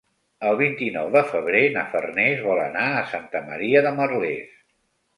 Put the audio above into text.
El vint-i-nou de febrer na Farners vol anar a Santa Maria de Merlès.